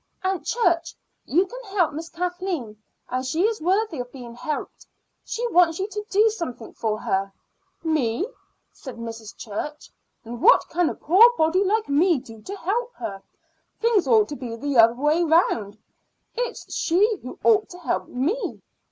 "Aunt Church, you can help Miss Kathleen, and she is worthy of being helped. She wants you to do something for her." "Me?" said Mrs. Church. "And what can a poor body like me do to help her? Things ought to be the other way round; it's she who ought to help me."